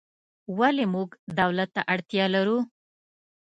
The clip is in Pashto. ولې موږ دولت ته اړتیا لرو؟